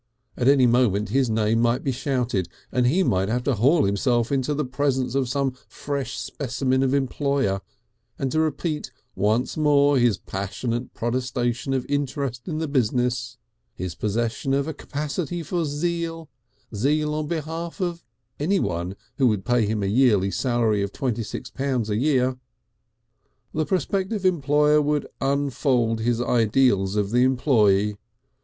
At any moment his name might be shouted, and he might have to haul himself into the presence of some fresh specimen of employer, and to repeat once more his passionate protestation of interest in the business, his possession of a capacity for zeal zeal on behalf of anyone who would pay him a yearly salary of twenty six pounds a year. The prospective employer would unfold his ideals of the employee.